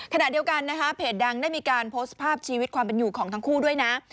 ขณะเดียวกันนะคะเพจดังได้มีการโพสต์ภาพชีวิตความเป็นอยู่ของทั้งคู่ด้วยนะ